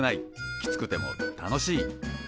きつくても楽しい！